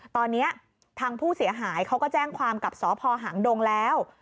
ตอนนี้ทางผู้เสียหายเขาก็แจ้งความกับสพหางดงแล้ว